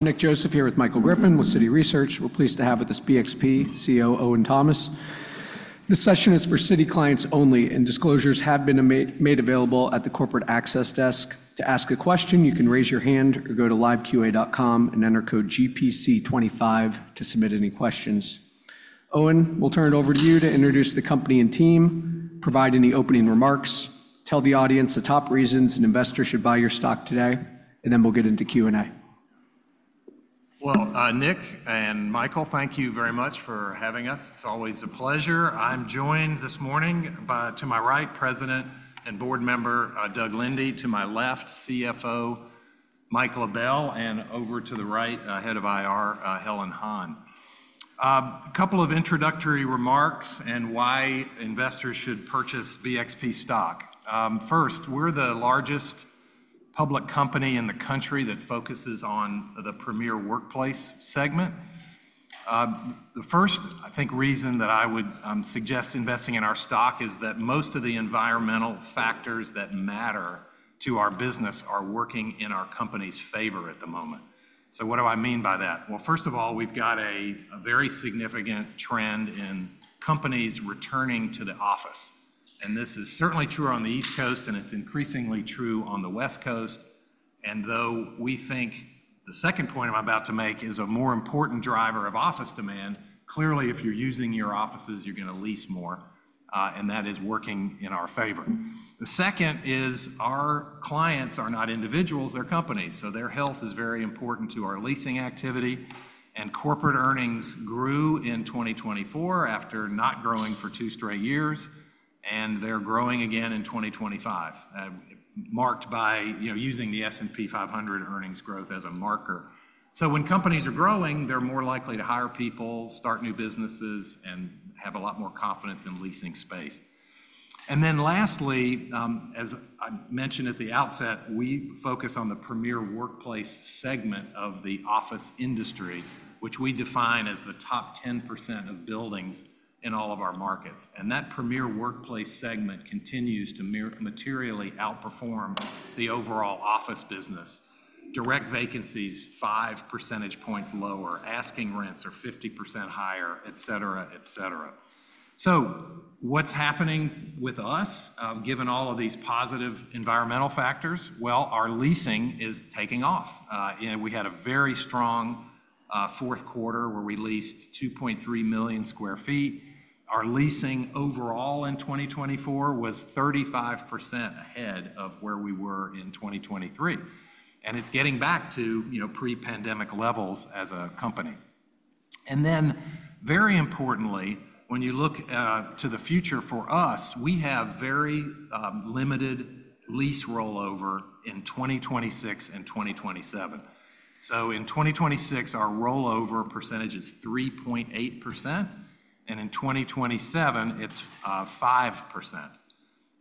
Nick Joseph here with Michael Griffin with Citi Research. We're pleased to have with us BXP CEO Owen Thomas. This session is for Citi clients only, and disclosures have been made available at the Corporate Access Desk. To ask a question, you can raise your hand or go to LiveQA.com and enter code GPC25 to submit any questions. Owen, we'll turn it over to you to introduce the company and team, provide any opening remarks, tell the audience the top reasons an investor should buy your stock today, and then we'll get into Q&A. Well, Nick and Michael, thank you very much for having us. It's always a pleasure. I'm joined this morning to my right, President and Board Member Doug Linde, to my left, CFO Michael LaBelle, and over to the right, Head of IR Helen Han. A couple of introductory remarks and why investors should purchase BXP stock. First, we're the largest public company in the country that focuses on the premier workplace segment. The first, I think, reason that I would suggest investing in our stock is that most of the environmental factors that matter to our business are working in our company's favor at the moment. So what do I mean by that? Well, first of all, we've got a very significant trend in companies returning to the office. And this is certainly true on the East Coast, and it's increasingly true on the West Coast. Though we think the second point I'm about to make is a more important driver of office demand, clearly if you're using your offices, you're going to lease more, and that is working in our favor. The second is our clients are not individuals, they're companies. So their health is very important to our leasing activity. Corporate earnings grew in 2024 after not growing for two straight years, and they're growing again in 2025, marked by using the S&P 500 earnings growth as a marker. So when companies are growing, they're more likely to hire people, start new businesses, and have a lot more confidence in leasing space. Then lastly, as I mentioned at the outset, we focus on the premier workplace segment of the office industry, which we define as the top 10% of buildings in all of our markets. And that Premier workplace segment continues to materially outperform the overall office business. Direct vacancies are 5 percentage points lower, asking rents are 50% higher, et cetera, et cetera. So what's happening with us, given all of these positive environmental factors? Well, our leasing is taking off. We had a very strong fourth quarter where we leased 2.3 million sq ft. Our leasing overall in 2024 was 35% ahead of where we were in 2023. And it's getting back to pre-pandemic levels as a company. And then very importantly, when you look to the future for us, we have very limited lease rollover in 2026 and 2027. So in 2026, our rollover percentage is 3.8%, and in 2027, it's 5%.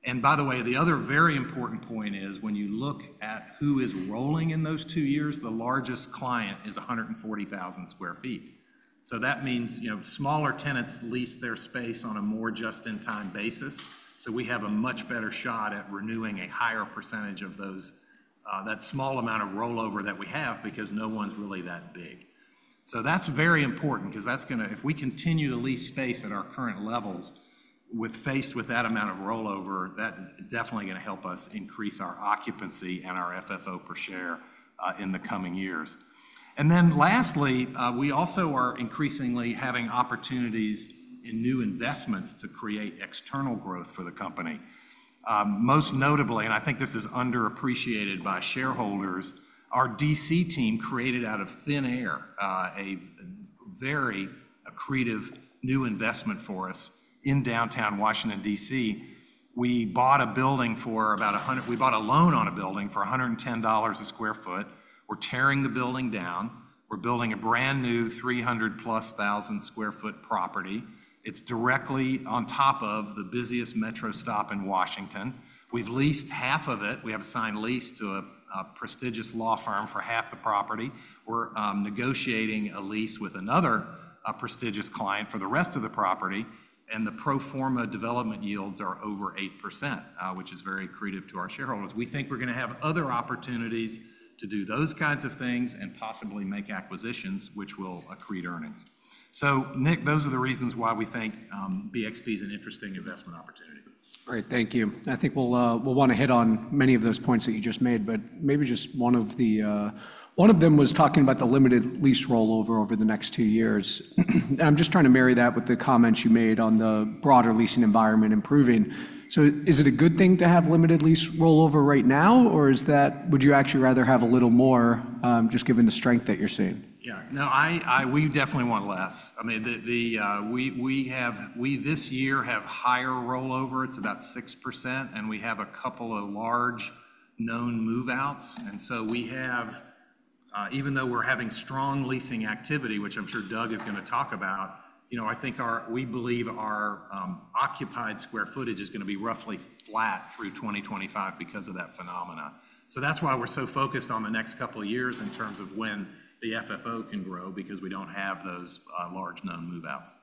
And by the way, the other very important point is when you look at who is rolling in those two years, the largest client is 140,000 sq ft. So that means smaller tenants lease their space on a more just-in-time basis. So we have a much better shot at renewing a higher percentage of that small amount of rollover that we have because no one's really that big. So that's very important because that's going to, if we continue to lease space at our current levels faced with that amount of rollover, that's definitely going to help us increase our occupancy and our FFO per share in the coming years. And then lastly, we also are increasingly having opportunities in new investments to create external growth for the company. Most notably, and I think this is underappreciated by shareholders, our DC team created out of thin air a very creative new investment for us in downtown Washington, DC. We bought a building for about a hundred, we bought a loan on a building for $110 sq ft. We're tearing the building down. We're building a brand new 300+ thousand sq ft property. It's directly on top of the busiest metro stop in Washington. We've leased half of it. We have a signed lease to a prestigious law firm for half the property. We're negotiating a lease with another prestigious client for the rest of the property, and the pro forma development yields are over 8%, which is very attractive to our shareholders. We think we're going to have other opportunities to do those kinds of things and possibly make acquisitions, which will accrete earnings, so Nick, those are the reasons why we think BXP is an interesting investment opportunity. All right, thank you. I think we'll want to hit on many of those points that you just made, but maybe just one of them was talking about the limited lease rollover over the next two years. And I'm just trying to marry that with the comments you made on the broader leasing environment improving. So is it a good thing to have limited lease rollover right now, or would you actually rather have a little more just given the strength that you're seeing? Yeah, no, we definitely want less. I mean, we this year have higher rollover. It's about 6%, and we have a couple of large known move-outs, and so we have, even though we're having strong leasing activity, which I'm sure Doug is going to talk about, I think we believe our occupied square footage is going to be roughly flat through 2025 because of that phenomenon, so that's why we're so focused on the next couple of years in terms of when the FFO can grow because we don't have those large known move-outs.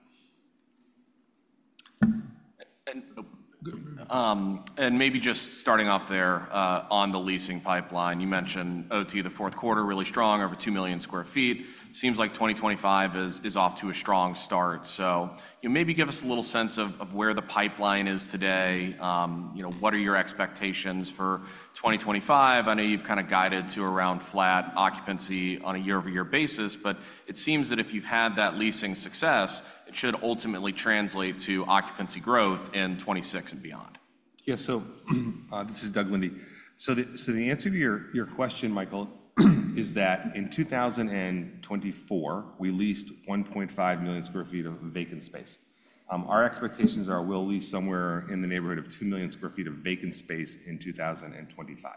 And m`aybe just starting off there on the leasing pipeline, you mentioned OT the fourth quarter really strong over two million sq ft. Seems like 2025 is off to a strong start. So maybe give us a little sense of where the pipeline is today. What are your expectations for 2025? I know you've kind of guided to around flat occupancy on a year-over-year basis, but it seems that if you've had that leasing success, it should ultimately translate to occupancy growth in 2026 and beyond. Yeah, so this is Doug Linde. So the answer to your question, Michael, is that in 2024, we leased 1.5 million sq ft of vacant space. Our expectations are we'll lease somewhere in the neighborhood of 2 million sq ft of vacant space in 2025.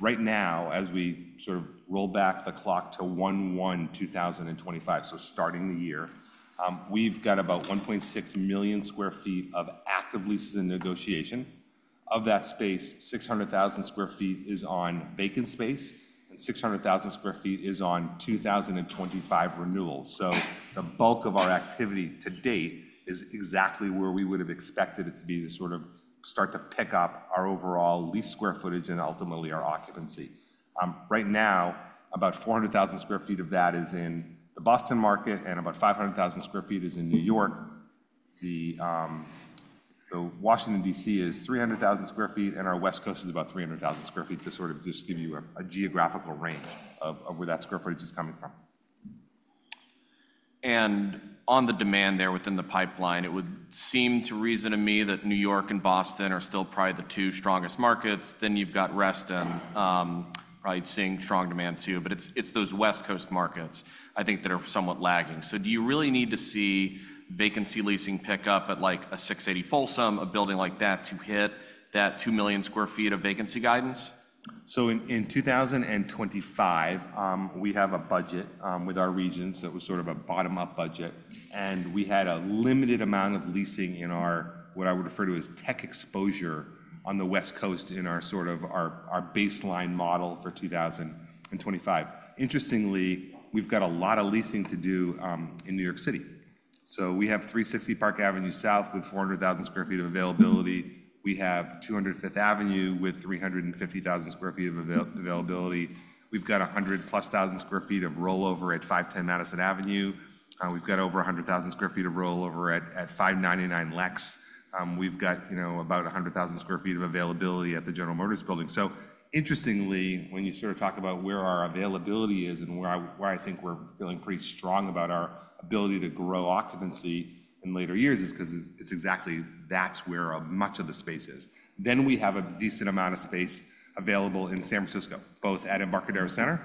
Right now, as we sort of roll back the clock to Q1 2025, so starting the year, we've got about 1.6 million sq ft of active leases in negotiation. Of that space, 600,000 sq ft is on vacant space, and 600,000 sq ft is on 2025 renewals. So the bulk of our activity to date is exactly where we would have expected it to be to sort of start to pick up our overall lease square footage and ultimately our occupancy. Right now, about 400,000 sq ft of that is in the Boston market, and about 500,000 sq ft is in New York. The Washington, D.C., is 300,000 sq ft, and our West Coast is about 300,000 sq ft to sort of just give you a geographical range of where that square footage is coming from. On the demand there within the pipeline, it would seem to reason to me that New York and Boston are still probably the two strongest markets. You've got Reston, probably seeing strong demand too, but it's those West Coast markets, I think, that are somewhat lagging. Do you really need to see vacancy leasing pick up at like a 680 Folsom, a building like that, to hit that 2 million sq ft of vacancy guidance? So in 2025, we have a budget with our region. So it was sort of a bottom-up budget. And we had a limited amount of leasing in our what I would refer to as tech exposure on the West Coast in our sort of baseline model for 2025. Interestingly, we've got a lot of leasing to do in New York City. So we have 360 Park Avenue South with 400,000 sq ft of availability. We have 200 Fifth Avenue with 350,000 sq ft of availability. We've got 100 plus thousand sq ft of rollover at 510 Madison Avenue. We've got over 100,000 sq ft of rollover at 599 Lex. We've got about 100,000 sq ft of availability at the General Motors Building. So interestingly, when you sort of talk about where our availability is and where I think we're feeling pretty strong about our ability to grow occupancy in later years is because it's exactly that's where much of the space is. Then we have a decent amount of space available in San Francisco, both at Embarcadero Center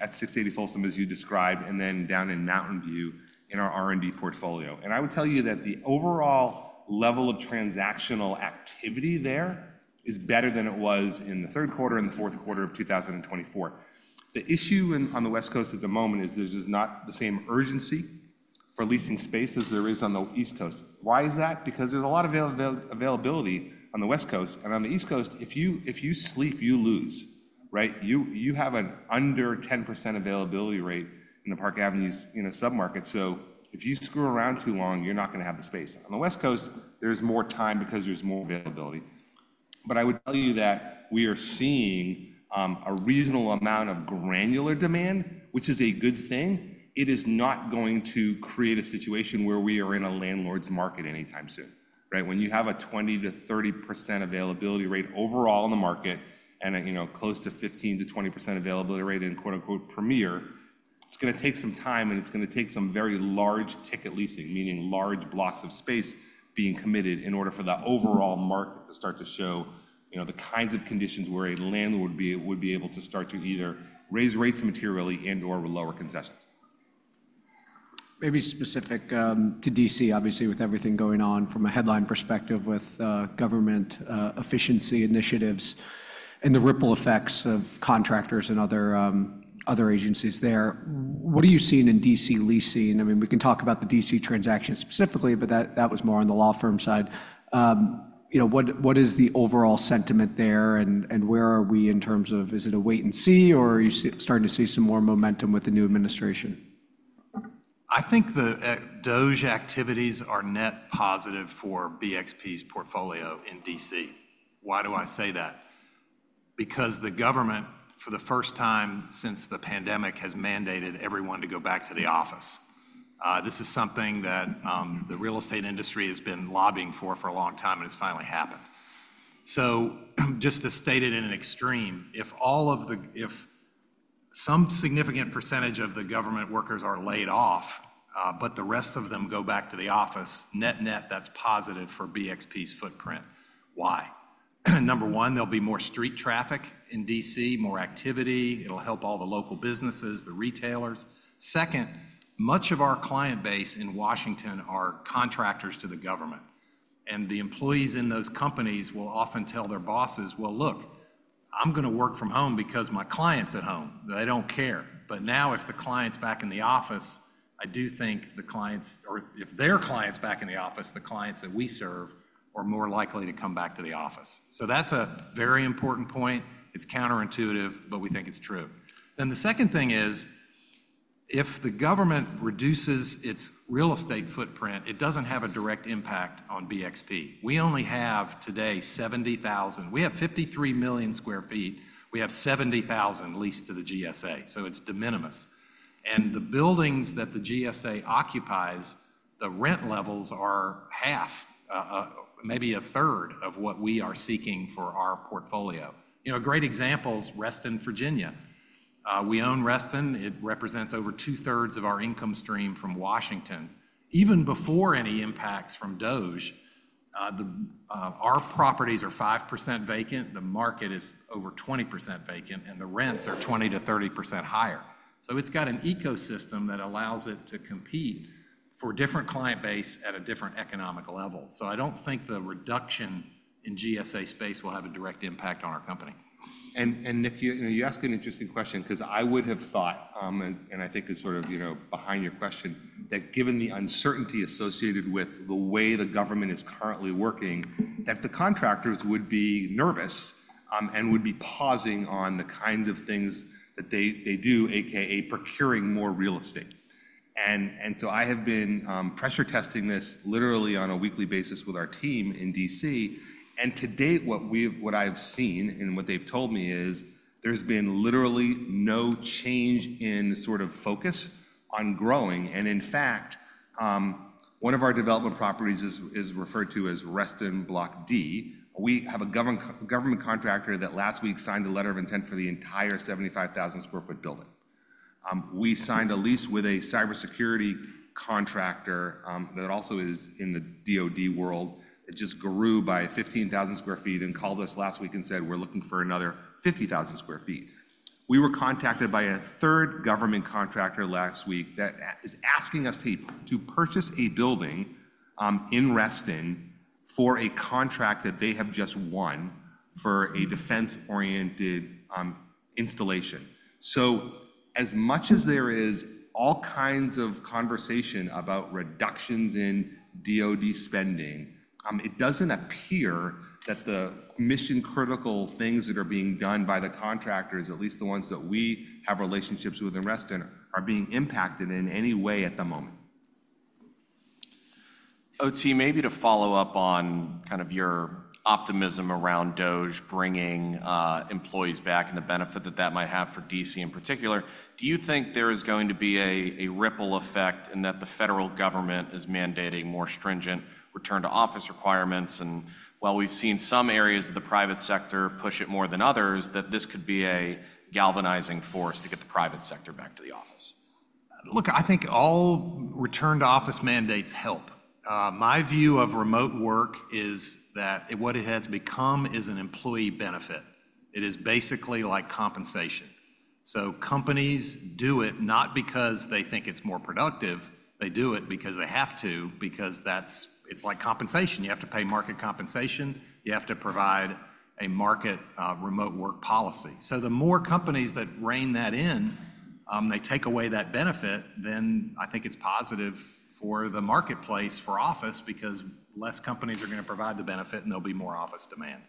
at 680 Folsom, as you described, and then down in Mountain View in our R&D portfolio. And I would tell you that the overall level of transactional activity there is better than it was in the third quarter and the fourth quarter of 2024. The issue on the West Coast at the moment is there's just not the same urgency for leasing space as there is on the East Coast. Why is that? Because there's a lot of availability on the West Coast. And on the East Coast, if you sleep, you lose, right? You have an under 10% availability rate in the Park Avenue submarket. So if you screw around too long, you're not going to have the space. On the West Coast, there's more time because there's more availability. But I would tell you that we are seeing a reasonable amount of granular demand, which is a good thing. It is not going to create a situation where we are in a landlord's market anytime soon, right? When you have a 20%-30% availability rate overall in the market and a close to 15%-20% availability rate in quote-unquote premier, it's going to take some time and it's going to take some very large ticket leasing, meaning large blocks of space being committed in order for the overall market to start to show the kinds of conditions where a landlord would be able to start to either raise rates materially and/or with lower concessions. Maybe specific to D.C., obviously, with everything going on from a headline perspective with government efficiency initiatives and the ripple effects of contractors and other agencies there. What are you seeing in D.C. leasing? I mean, we can talk about the D.C. transaction specifically, but that was more on the law firm side. What is the overall sentiment there and where are we in terms of, is it a wait and see or are you starting to see some more momentum with the new administration? I think the DOGE activities are net positive for BXP's portfolio in D.C. Why do I say that? Because the government, for the first time since the pandemic, has mandated everyone to go back to the office. This is something that the real estate industry has been lobbying for for a long time and has finally happened. So just to state it in an extreme, if some significant percentage of the government workers are laid off, but the rest of them go back to the office, net-net, that's positive for BXP's footprint. Why? Number one, there'll be more street traffic in D.C., more activity. It'll help all the local businesses, the retailers. Second, much of our client base in Washington are contractors to the government. And the employees in those companies will often tell their bosses, "Well, look, I'm going to work from home because my client's at home. They don't care," but now if the client's back in the office, I do think the clients, or if their client's back in the office, the clients that we serve are more likely to come back to the office. So that's a very important point. It's counterintuitive, but we think it's true, then the second thing is, if the government reduces its real estate footprint, it doesn't have a direct impact on BXP. We only have today 70,000. We have 53 million sq ft. We have 70,000 leased to the GSA. So it's de minimis, and the buildings that the GSA occupies, the rent levels are half, maybe a third of what we are seeking for our portfolio. A great example is Reston, Virginia. We own Reston. It represents over two-thirds of our income stream from Washington. Even before any impacts from DOGE, our properties are 5% vacant, the market is over 20% vacant, and the rents are 20%-30% higher. So it's got an ecosystem that allows it to compete for a different client base at a different economic level. So I don't think the reduction in GSA space will have a direct impact on our company. And Nick, you asked an interesting question because I would have thought, and I think it's sort of behind your question, that given the uncertainty associated with the way the government is currently working, that the contractors would be nervous and would be pausing on the kinds of things that they do, a.k.a. procuring more real estate. And so I have been pressure testing this literally on a weekly basis with our team in DC. And to date, what I've seen and what they've told me is there's been literally no change in the sort of focus on growing. And in fact, one of our development properties is referred to as Reston Block D. We have a government contractor that last week signed a letter of intent for the entire 75,000 sq ft building. We signed a lease with a cybersecurity contractor that also is in the DoD world that just grew by 15,000 sq ft and called us last week and said, "We're looking for another 50,000 sq ft." We were contacted by a third government contractor last week that is asking us to purchase a building in Reston for a contract that they have just won for a defense-oriented installation. So as much as there is all kinds of conversation about reductions in DoD spending, it doesn't appear that the mission-critical things that are being done by the contractors, at least the ones that we have relationships with in Reston, are being impacted in any way at the moment. OT, maybe to follow up on kind of your optimism around DOGE bringing employees back and the benefit that that might have for D.C. in particular, do you think there is going to be a ripple effect in that the federal government is mandating more stringent return-to-office requirements? And while we've seen some areas of the private sector push it more than others, that this could be a galvanizing force to get the private sector back to the office. Look, I think all return-to-office mandates help. My view of remote work is that what it has become is an employee benefit. It is basically like compensation. So companies do it not because they think it's more productive. They do it because they have to, because it's like compensation. You have to pay market compensation. You have to provide a market remote work policy. So the more companies that rein that in, they take away that benefit, then I think it's positive for the marketplace for office because less companies are going to provide the benefit and there'll be more office demand.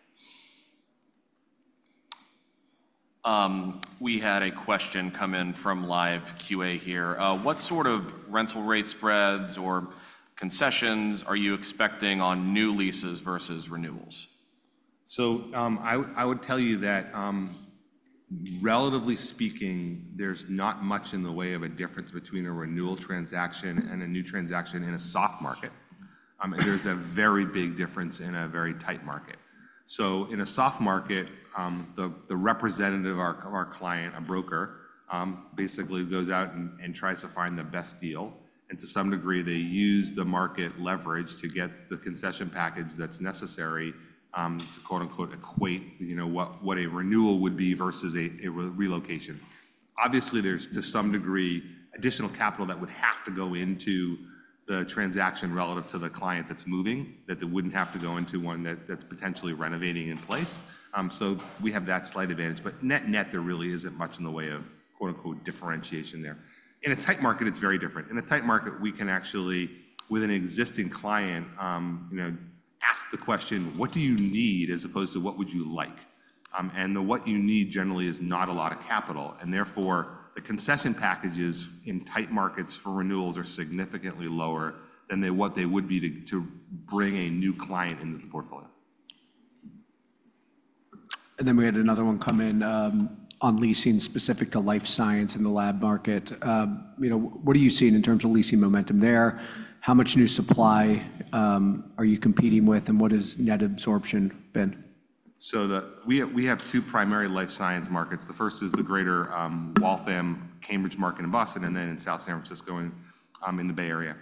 We had a question come in from LiveQA here. What sort of rental rate spreads or concessions are you expecting on new leases versus renewals? I would tell you that, relatively speaking, there's not much in the way of a difference between a renewal transaction and a new transaction in a soft market. There's a very big difference in a very tight market. In a soft market, the representative of our client, a broker, basically goes out and tries to find the best deal. And to some degree, they use the market leverage to get the concession package that's necessary to "equate" what a renewal would be versus a relocation. Obviously, there's to some degree additional capital that would have to go into the transaction relative to the client that's moving, that it wouldn't have to go into one that's potentially renovating in place. We have that slight advantage. But net-net, there really isn't much in the way of "differentiation" there. In a tight market, it's very different. In a tight market, we can actually, with an existing client, ask the question, "What do you need?" as opposed to, "What would you like?" And the "what you need" generally is not a lot of capital. And therefore, the concession packages in tight markets for renewals are significantly lower than what they would be to bring a new client into the portfolio. And then we had another one come in on leasing specific to life science in the lab market. What are you seeing in terms of leasing momentum there? How much new supply are you competing with? And what has net absorption been? So we have two primary life science markets. The first is the greater Waltham, Cambridge market in Boston, and then in South San Francisco in the Bay Area.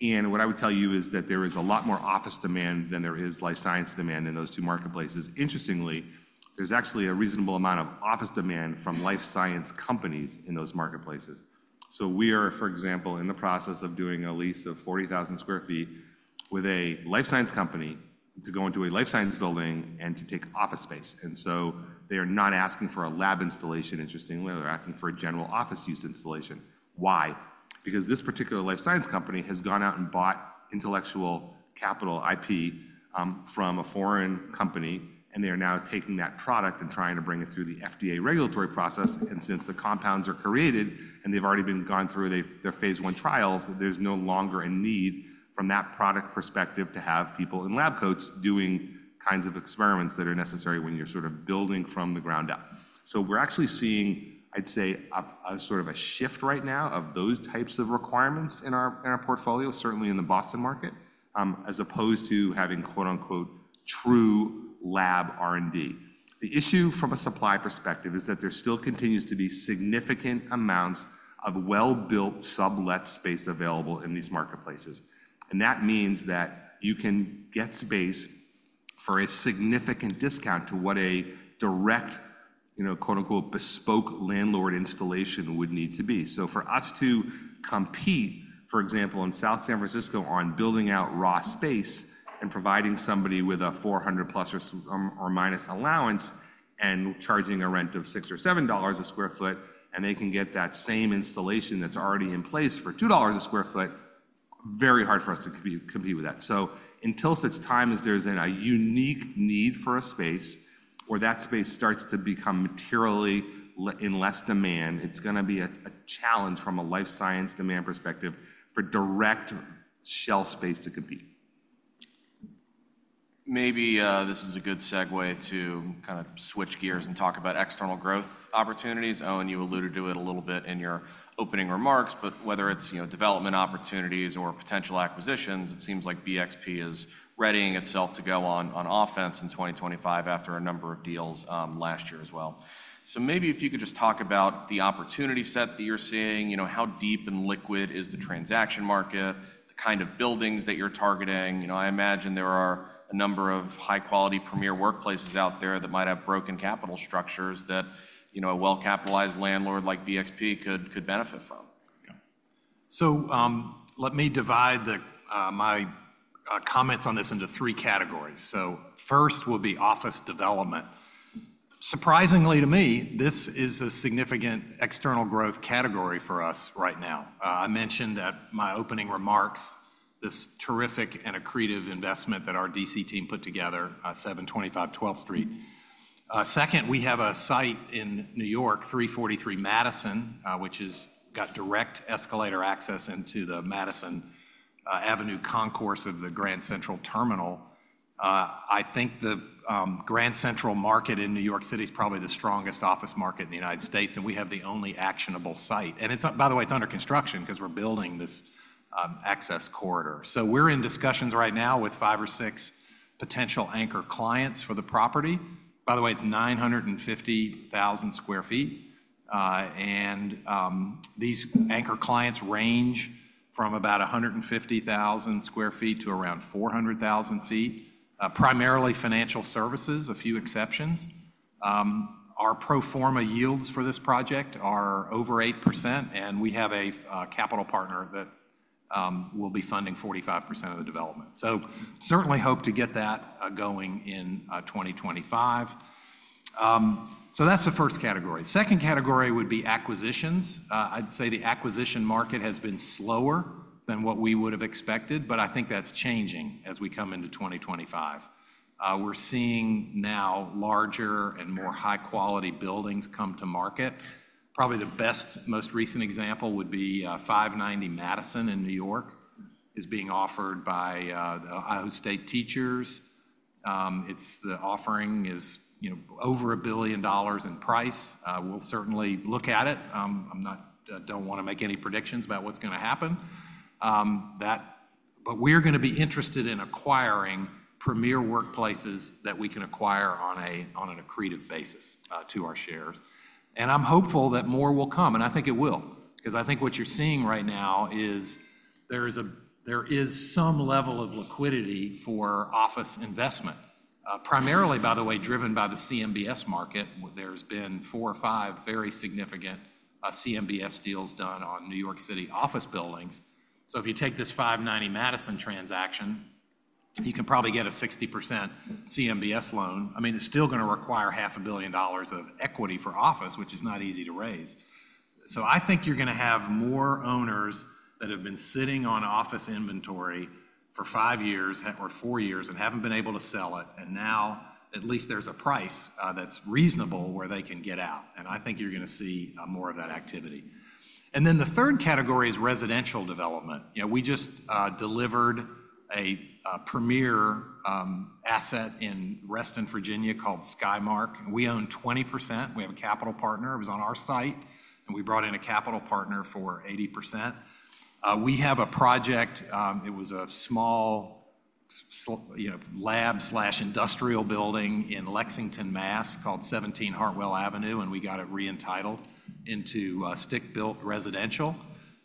And what I would tell you is that there is a lot more office demand than there is life science demand in those two marketplaces. Interestingly, there's actually a reasonable amount of office demand from life science companies in those marketplaces. So we are, for example, in the process of doing a lease of 40,000 sq ft with a life science company to go into a life science building and to take office space. And so they are not asking for a lab installation, interestingly. They're asking for a general office use installation. Why? Because this particular life science company has gone out and bought intellectual capital IP from a foreign company, and they are now taking that product and trying to bring it through the FDA regulatory process. And since the compounds are created and they've already been gone through their phase one trials, there's no longer a need from that product perspective to have people in lab coats doing kinds of experiments that are necessary when you're sort of building from the ground up. So we're actually seeing, I'd say, a sort of a shift right now of those types of requirements in our portfolio, certainly in the Boston market, as opposed to having "true lab R&D." The issue from a supply perspective is that there still continues to be significant amounts of well-built sublet space available in these marketplaces. And that means that you can get space for a significant discount to what a direct "bespoke" landlord installation would need to be. So for us to compete, for example, in South San Francisco on building out raw space and providing somebody with a 400-plus or minus allowance and charging a rent of $6 or $7 a sq ft, and they can get that same installation that's already in place for $2 a sq ft, very hard for us to compete with that. So until such time as there's a unique need for a space or that space starts to become materially in less demand, it's going to be a challenge from a life science demand perspective for direct shell space to compete. Maybe this is a good segue to kind of switch gears and talk about external growth opportunities. Owen, you alluded to it a little bit in your opening remarks, but whether it's development opportunities or potential acquisitions, it seems like BXP is readying itself to go on offense in 2025 after a number of deals last year as well. So maybe if you could just talk about the opportunity set that you're seeing, how deep and liquid is the transaction market, the kind of buildings that you're targeting? I imagine there are a number of high-quality premier workplaces out there that might have broken capital structures that a well-capitalized landlord like BXP could benefit from. Let me divide my comments on this into three categories. First will be office development. Surprisingly to me, this is a significant external growth category for us right now. I mentioned at my opening remarks this terrific and accretive investment that our DC team put together, 725 12th Street. Second, we have a site in New York, 343 Madison, which has got direct escalator access into the Madison Avenue concourse of the Grand Central Terminal. I think the Grand Central market in New York City is probably the strongest office market in the United States, and we have the only actionable site. By the way, it is under construction because we are building this access corridor. We are in discussions right now with five or six potential anchor clients for the property. By the way, it is 950,000 sq ft. These anchor clients range from about 150,000 sq ft to around 400,000 sq ft, primarily financial services, a few exceptions. Our pro forma yields for this project are over 8%, and we have a capital partner that will be funding 45% of the development. Certainly hope to get that going in 2025. That's the first category. Second category would be acquisitions. I'd say the acquisition market has been slower than what we would have expected, but I think that's changing as we come into 2025. We're seeing now larger and more high-quality buildings come to market. Probably the best, most recent example would be 590 Madison in New York is being offered by Ohio State Teachers. The offering is over $1 billion in price. We'll certainly look at it. I don't want to make any predictions about what's going to happen. But we're going to be interested in acquiring premier workplaces that we can acquire on an accretive basis to our shares, and I'm hopeful that more will come, and I think it will, because I think what you're seeing right now is there is some level of liquidity for office investment, primarily, by the way, driven by the CMBS market. There's been four or five very significant CMBS deals done on New York City office buildings, so if you take this 590 Madison transaction, you can probably get a 60% CMBS loan. I mean, it's still going to require $500 million of equity for office, which is not easy to raise, so I think you're going to have more owners that have been sitting on office inventory for five years or four years and haven't been able to sell it. And now at least there's a price that's reasonable where they can get out. And I think you're going to see more of that activity. And then the third category is residential development. We just delivered a premier asset in Reston, Virginia called Skymark. We own 20%. We have a capital partner. It was on our site, and we brought in a capital partner for 80%. We have a project. It was a small lab/industrial building in Lexington, Mass, called 17 Hartwell Avenue, and we got it re-entitled into stick-built residential.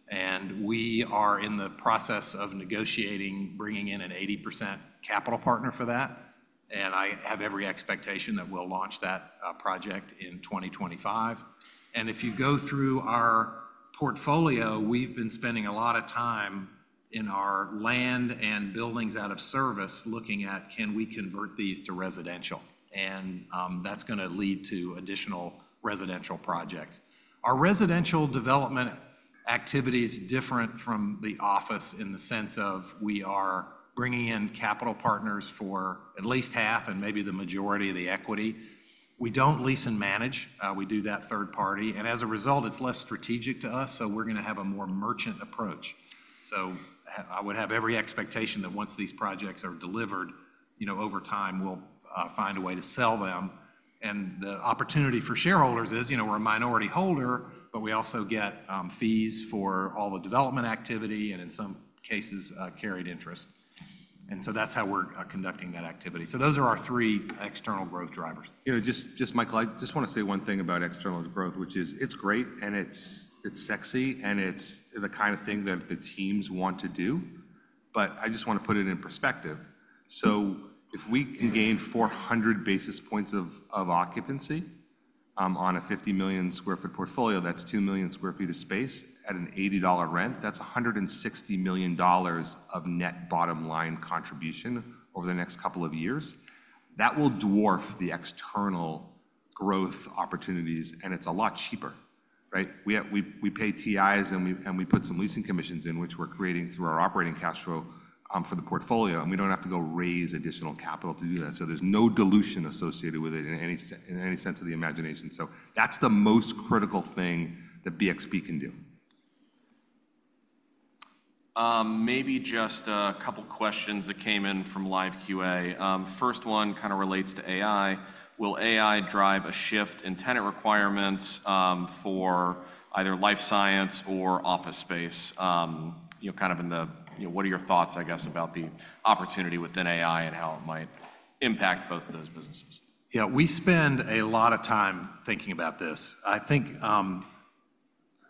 And we are in the process of negotiating bringing in an 80% capital partner for that. And I have every expectation that we'll launch that project in 2025. And if you go through our portfolio, we've been spending a lot of time in our land and buildings out of service looking at, can we convert these to residential? And that's going to lead to additional residential projects. Our residential development activity is different from the office in the sense of we are bringing in capital partners for at least half and maybe the majority of the equity. We don't lease and manage. We do that third party. And as a result, it's less strategic to us, so we're going to have a more merchant approach. So I would have every expectation that once these projects are delivered, over time, we'll find a way to sell them. And the opportunity for shareholders is we're a minority holder, but we also get fees for all the development activity and in some cases, carried interest. And so that's how we're conducting that activity. So those are our three external growth drivers. Just want to say one thing about external growth, which is, it's great and it's sexy and it's the kind of thing that the teams want to do, but I just want to put it in perspective, so if we can gain 400 basis points of occupancy on a 50 million sq ft portfolio, that's 2 million sq ft of space at an $80 rent. That's $160 million of net bottom line contribution over the next couple of years. That will dwarf the external growth opportunities, and it's a lot cheaper. We pay TIs and we put some leasing commissions in, which we're creating through our operating cash flow for the portfolio, and we don't have to go raise additional capital to do that, so there's no dilution associated with it in any sense of the imagination, so that's the most critical thing that BXP can do. Maybe just a couple of questions that came in from LiveQA. First one kind of relates to AI. Will AI drive a shift in tenant requirements for either life science or office space? Kind of in the, what are your thoughts, I guess, about the opportunity within AI and how it might impact both of those businesses? Yeah, we spend a lot of time thinking about this. I think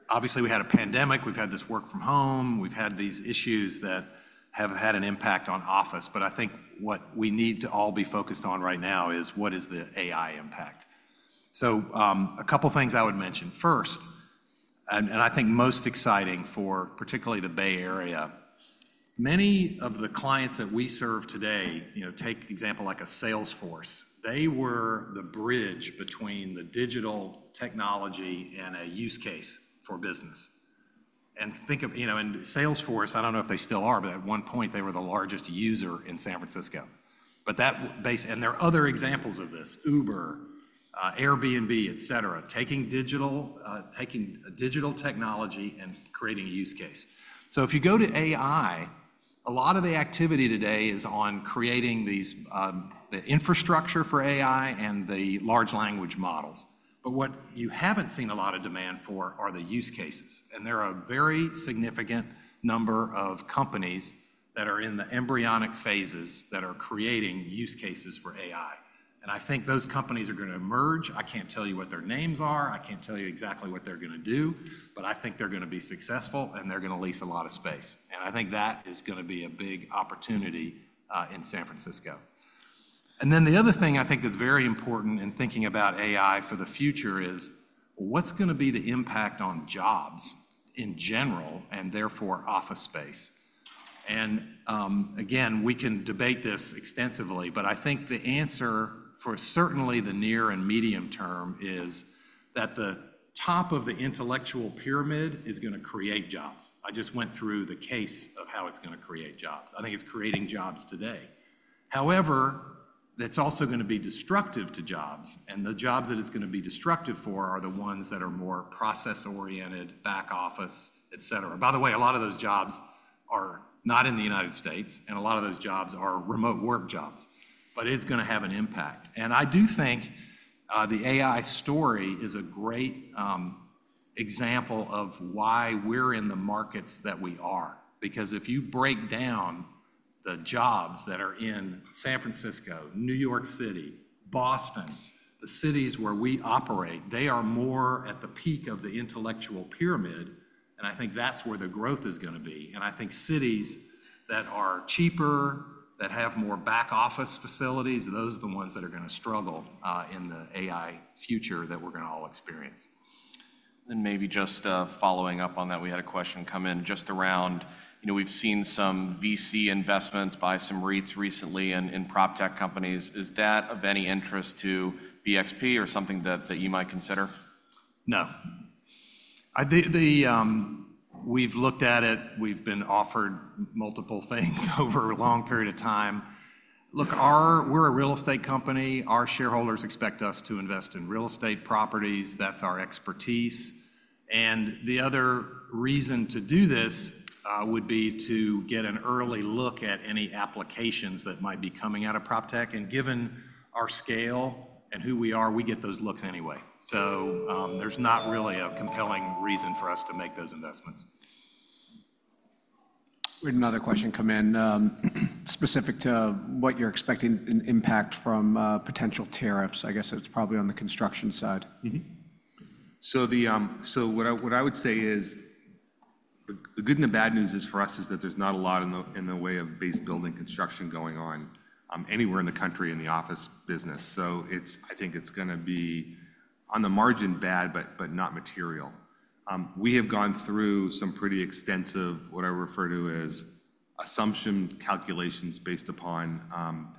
obviously we had a pandemic. We've had this work from home. We've had these issues that have had an impact on office. But I think what we need to all be focused on right now is what is the AI impact? So a couple of things I would mention. First, and I think most exciting for particularly the Bay Area, many of the clients that we serve today, take example like a Salesforce, they were the bridge between the digital technology and a use case for business. And think of Salesforce, I don't know if they still are, but at one point they were the largest user in San Francisco. And there are other examples of this, Uber, Airbnb, etc., taking digital technology and creating a use case. So if you go to AI, a lot of the activity today is on creating the infrastructure for AI and the large language models. But what you haven't seen a lot of demand for are the use cases. And there are a very significant number of companies that are in the embryonic phases that are creating use cases for AI. And I think those companies are going to emerge. I can't tell you what their names are. I can't tell you exactly what they're going to do, but I think they're going to be successful and they're going to lease a lot of space. And I think that is going to be a big opportunity in San Francisco. And then the other thing I think that's very important in thinking about AI for the future is what's going to be the impact on jobs in general and therefore office space? Again, we can debate this extensively, but I think the answer for certainly the near and medium term is that the top of the intellectual pyramid is going to create jobs. I just went through the case of how it's going to create jobs. I think it's creating jobs today. However, that's also going to be destructive to jobs. The jobs that it's going to be destructive for are the ones that are more process-oriented, back office, etc. By the way, a lot of those jobs are not in the United States, and a lot of those jobs are remote work jobs, but it's going to have an impact. I do think the AI story is a great example of why we're in the markets that we are. Because if you break down the jobs that are in San Francisco, New York City, Boston, the cities where we operate, they are more at the peak of the intellectual pyramid. And I think that's where the growth is going to be. And I think cities that are cheaper, that have more back office facilities, those are the ones that are going to struggle in the AI future that we're going to all experience. Maybe just following up on that, we had a question come in just around we've seen some VC investments by some REITs recently in proptech companies. Is that of any interest to BXP or something that you might consider? No. We've looked at it. We've been offered multiple things over a long period of time. Look, we're a real estate company. Our shareholders expect us to invest in real estate properties. That's our expertise. And the other reason to do this would be to get an early look at any applications that might be coming out of proptech. And given our scale and who we are, we get those looks anyway. So there's not really a compelling reason for us to make those investments. We had another question come in specific to what you're expecting in impact from potential tariffs. I guess it's probably on the construction side. So what I would say is the good and the bad news is for us is that there's not a lot in the way of base building construction going on anywhere in the country in the office business. So I think it's going to be on the margin bad, but not material. We have gone through some pretty extensive what I refer to as assumption calculations based upon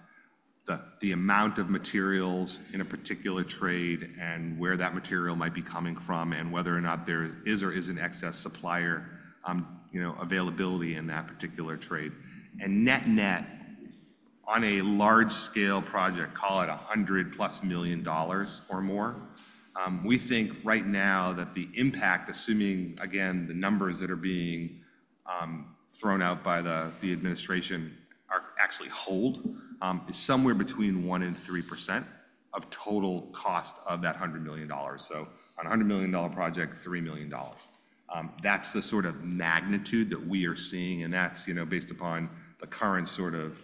the amount of materials in a particular trade and where that material might be coming from and whether or not there is or isn't excess supplier availability in that particular trade. And net-net on a large-scale project, call it $100+ million dollars or more, we think right now that the impact, assuming again the numbers that are being thrown out by the administration are actually hold, is somewhere between 1% and 3% of total cost of that $100 million. So on a $100 million project, $3 million. That's the sort of magnitude that we are seeing, and that's based upon the current sort of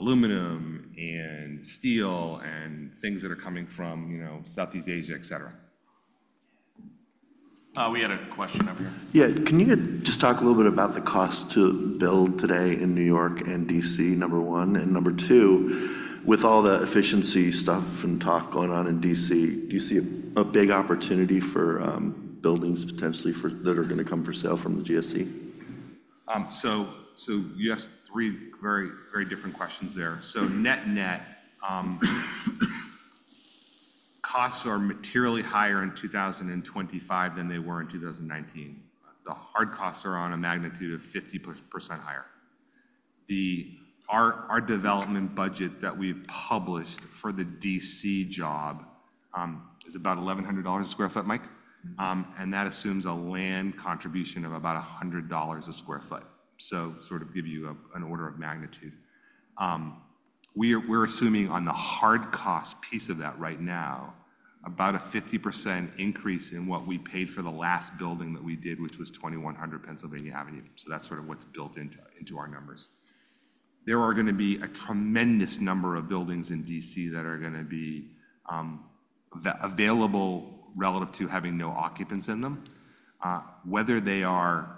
aluminum and steel and things that are coming from Southeast Asia, etc. We had a question over here. Yeah, can you just talk a little bit about the cost to build today in New York and D.C., number one? And number two, with all the efficiency stuff and talk going on in D.C., do you see a big opportunity for buildings potentially that are going to come for sale from the GSA? You asked three very different questions there. Net-net, costs are materially higher in 2025 than they were in 2019. The hard costs are on a magnitude of 50% higher. Our development budget that we've published for the DC job is about $1,100 sq ft, Mike. And that assumes a land contribution of about $100 sq ft. So sort of give you an order of magnitude. We're assuming on the hard cost piece of that right now, about a 50% increase in what we paid for the last building that we did, which was 2100 Pennsylvania Avenue. So that's sort of what's built into our numbers. There are going to be a tremendous number of buildings in DC that are going to be available relative to having no occupants in them. Whether they are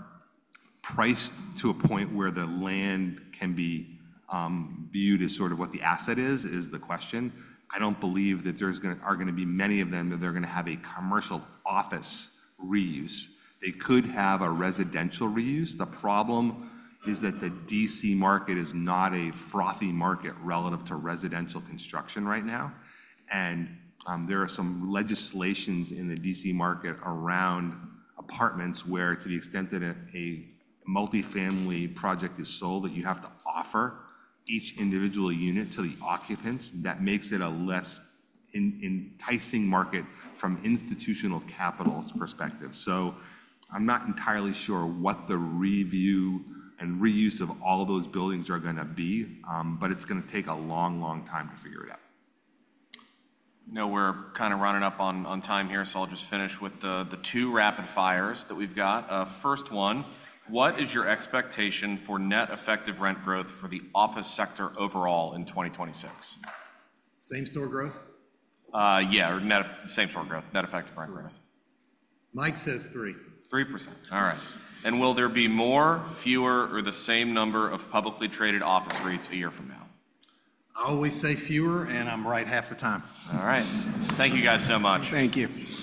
priced to a point where the land can be viewed as sort of what the asset is, is the question. I don't believe that there are going to be many of them that they're going to have a commercial office reuse. They could have a residential reuse. The problem is that the DC market is not a frothy market relative to residential construction right now, and there are some legislation in the DC market around apartments where to the extent that a multifamily project is sold, that you have to offer each individual unit to the occupants. That makes it a less enticing market from institutional capital's perspective, so I'm not entirely sure what the review and reuse of all of those buildings are going to be, but it's going to take a long, long time to figure it out. Now we're kind of running up on time here, so I'll just finish with the two rapid fires that we've got. First one, what is your expectation for net effective rent growth for the office sector overall in 2026? Same-store growth? Yeah, same-store growth, net effective rent growth. Mike says three. 3%. All right. And will there be more, fewer, or the same number of publicly traded office REITs a year from now? I always say fewer, and I'm right half the time. All right. Thank you guys so much. Thank you.